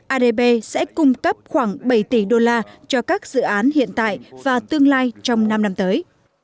adb sẽ cung cấp khoảng bảy tỷ đô la cho các dự án hiện tại và tương lai trong năm năm tới